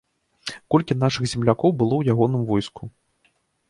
Колькі нашых землякоў было ў ягоным войску?